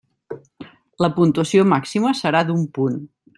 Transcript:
La puntuació màxima serà d'un punt.